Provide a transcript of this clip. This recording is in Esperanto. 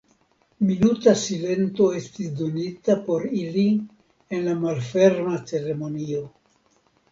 Minuta silento estis donita por ili en la malferma ceremonio.